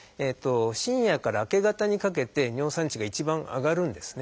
深夜から明け方にかけて尿酸値が一番上がるんですね。